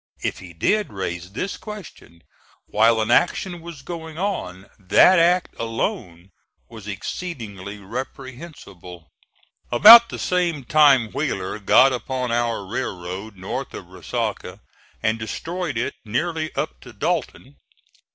If he did raise this question while an action was going on, that act alone was exceedingly reprehensible. About the same time Wheeler got upon our railroad north of Resaca and destroyed it nearly up to Dalton.